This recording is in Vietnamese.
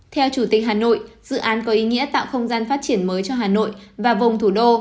theo chủ tịch hà nội dự án có ý nghĩa tạo không gian phát triển mới cho hà nội và vùng thủ đô